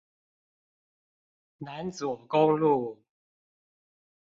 南左公路